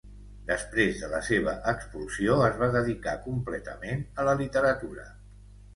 Després de la seva expulsió, es va dedicar completament a la literatura.